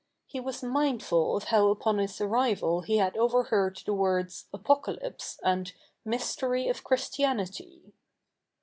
He was mindful of how upon his arrival he had overheard the words ' Apoca lypse ' and ' mystery of Christianity.'